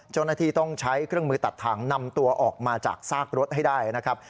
เจ้าหน้าที่ต้องใช้เครื่องมือตัดทางนำตัวออกมาจากซากรถให้ได้นะครับ